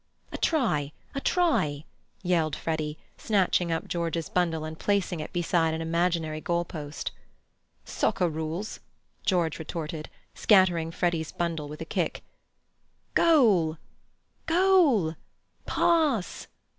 "A try! A try!" yelled Freddy, snatching up George's bundle and placing it beside an imaginary goal post. "Socker rules," George retorted, scattering Freddy's bundle with a kick. "Goal!" "Goal!" "Pass!"